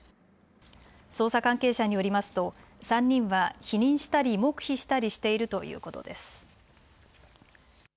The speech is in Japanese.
捜査関係者によりますと３人は否認したり黙秘したりしているということです。